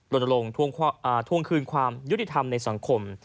ลงทวงคืนความยุติธรรมในสังคม